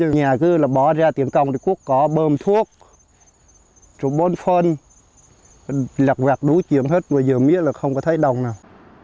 nhà cứ bỏ ra tiền công quốc có bơm thuốc trụ bôn phân lạc vạc đú chiếm hết giờ mía là không có thấy đồng nào